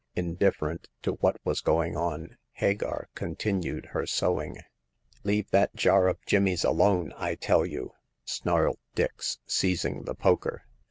Indifferent to what was going on, Hagar continued her sewing. " Leave that jar of Jimmy's alone, I tell you !" snarled Dix, seizing the poker.